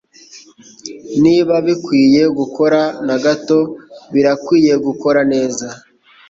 Niba bikwiye gukora na gato, birakwiye gukora neza.